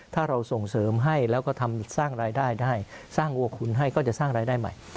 ถ้าเราส่งเสริมให้แล้วก็ทำสร้างรายได้ได้สร้างวัวคุณให้ก็จะสร้างรายได้ใหม่